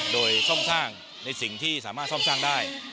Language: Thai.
โดยซ่อมสร้างในสิ่งที่สามารถซ่อมสร้างได้